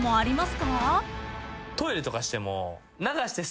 トイレとかしても。